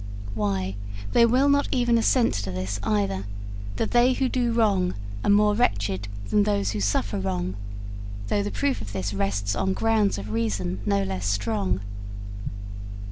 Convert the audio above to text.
Why, they will not even assent to this, either that they who do wrong are more wretched than those who suffer wrong, though the proof of this rests on grounds of reason no less strong.'